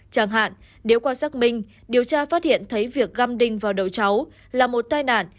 chẳng hạn nếu qua xác minh điều tra phát hiện thấy việc găm đinh vào đầu cháu là một tai nạn